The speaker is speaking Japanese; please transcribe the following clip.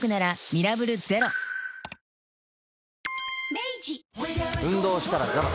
明治運動したらザバス。